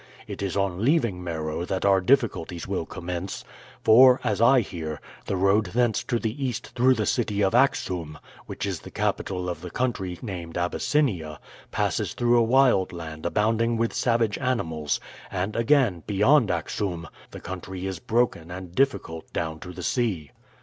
It is on leaving Meroe that our difficulties will commence; for, as I hear, the road thence to the east through the city of Axoum, which is the capital of the country named Abyssinia, passes through a wild land abounding with savage animals; and again, beyond Axoum the country is broken and difficult down to the sea.